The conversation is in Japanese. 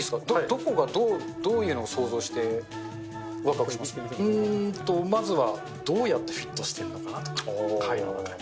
どこがどういうのを想像して、わくわうーんと、まずはどうやってフィットしてるのかなとか、貝の中に。